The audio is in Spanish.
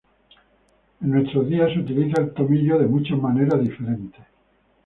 En nuestros días se utiliza el tomillo de muchas maneras diferentes.